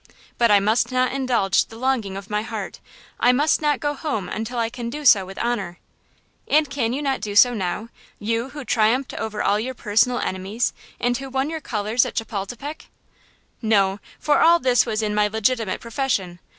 but I must not indulge the longing of my heart. I must not go home until I can do so with honor!" "And can you not do so now? You, who triumphed over all your personal enemies and who won your colors at Chapultepec?" "No, for all this was in my legitimate profession!